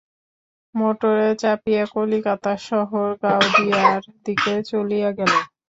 মোটরে চাপিয়া কলিকাতা শহর গাওদিয়ার দিকে চলিয়া গেল।